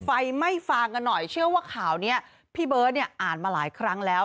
ไฟไม่ฟางกันหน่อยเชื่อว่าข่าวนี้พี่เบิร์ตเนี่ยอ่านมาหลายครั้งแล้ว